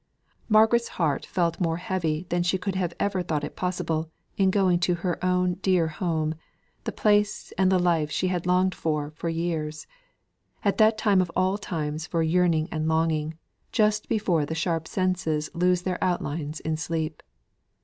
Margaret's heart felt more heavy than she could ever have thought it possible in going to her own dear home, the place and the life she had longed for for years at that time of all times for yearning and longing, just before the sharp senses lose their outlines in sleep.